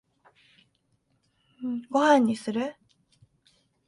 ご飯にする？